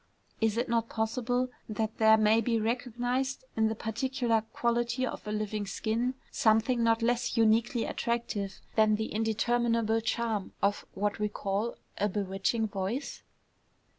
Is it not possible that there may be recognized, in the particular quality of a living skin, something not less uniquely attractive than the indeterminable charm of what we call a bewitching voice?